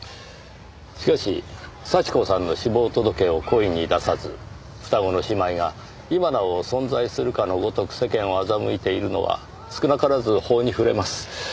しかし幸子さんの死亡届を故意に出さず双子の姉妹が今なお存在するかのごとく世間を欺いているのは少なからず法に触れます。